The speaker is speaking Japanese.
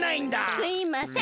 すいません。